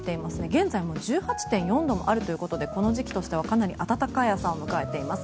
現在、１８．４度もあるということでこの時期としてはかなり暖かい朝を迎えています。